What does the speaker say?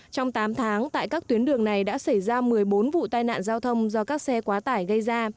trong tám tháng tại các tuyến đường này đã xảy ra một mươi bốn vụ tai nạn giao thông do các xe quá tải gây ra